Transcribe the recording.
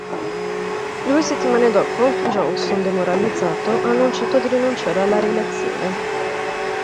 Due settimane dopo, Johnson, demoralizzato, ha annunciato di rinunciare alla rielezione.